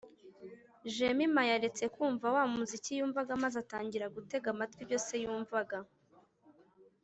Jemima yaretse kumva wa muzika yumvaga maze atangira gutega amatwi ibyo se yumvaga